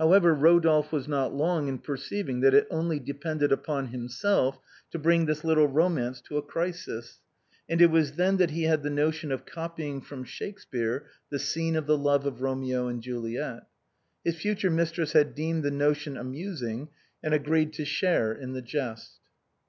However, Rodolphe was not long in perceiving that it only depended upon himself to bring this little romance to a crisis, and it was then that he had the notion of copy ing from Shakespeare the scene of the love of Romeo and Juliet. His future mistress had deemed the notion amus ing, and agreed to share in the jest.